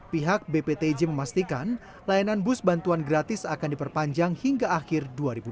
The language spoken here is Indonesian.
pihak bptj memastikan layanan bus bantuan gratis akan diperpanjang hingga akhir dua ribu dua puluh